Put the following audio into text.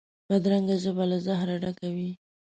بدرنګه ژبه له زهره ډکه وي